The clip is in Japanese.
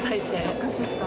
そっかそっか。